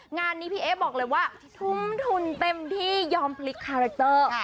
งานนี้พี่เอ๊บอกเลยว่าทุ่มทุนเต็มที่ยอมพลิกคาแรคเตอร์